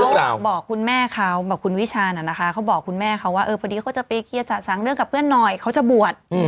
เขาบอกคุณแม่เขาบอกคุณวิชาน่ะนะคะเขาบอกคุณแม่เขาว่าพอดีเขาจะไปเคลียร์สะสางเรื่องกับเพื่อนหน่อยเขาจะบวช